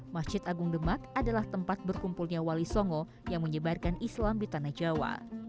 masjid agung demak adalah tempat berkumpulnya wali songo yang menyebarkan islam di tanah jawa